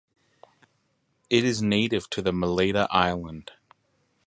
It is native to the Malaita island.